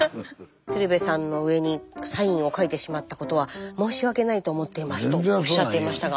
鶴瓶さんの上にサインを書いてしまったことは申し訳ないと思っていますとおっしゃっていましたが。